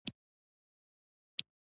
د توبې دروازه به هم بنده شي.